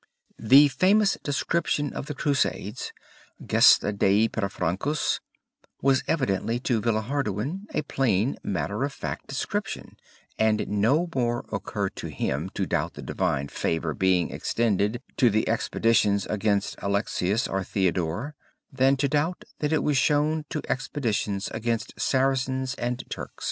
The famous description of the Crusades, gesta Dei per Francos, was evidently to Villehardouin a plain matter of fact description and it no more occurred to him to doubt the divine favor being extended to the expeditions against Alexius or Theodore than to doubt that it was shown to expeditions against Saracens and Turks."